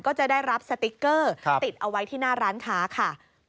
จะได้รับสติ๊กเกอร์ติดเอาไว้ที่หน้าร้านค้าค่ะ